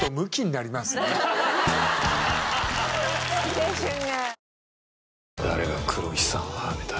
青春が。